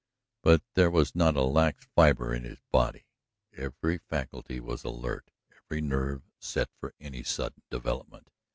But there was not a lax fiber in his body; every faculty was alert, every nerve set for any sudden development.